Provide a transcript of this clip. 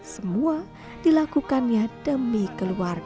semua dilakukannya demi keluarga